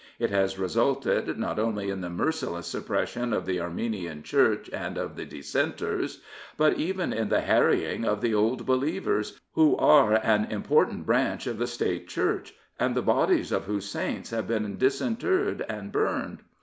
It has resulted not only in the merciless suppression of the Armenian Church and of the Dissenters, but even in the harrying of the Old Believers, who are an im portant branch of the State Church, and the bodies of whose saints have been disinterred and burned.